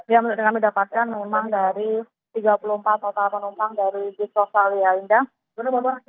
ya menurut kami dapatkan memang dari tiga puluh empat total penumpang dari dis australia indah